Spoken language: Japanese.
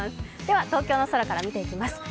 では東京の空から見ていきます。